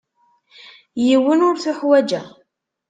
Yiwen ur t-uḥwaǧeɣ.